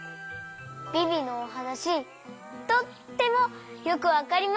ビビのおはなしとってもよくわかりました。